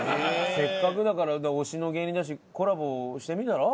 せっかくだから推しの芸人だしコラボしてみたら？